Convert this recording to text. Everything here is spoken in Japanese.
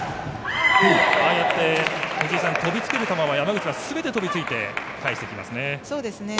飛びつける球は、山口はすべて飛びついて返してきますね。